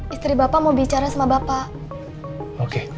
istri bapak mau bicara sama bapak